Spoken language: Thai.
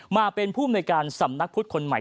มาเป็นผู้อำนวยการสำนักพุทธคนใหม่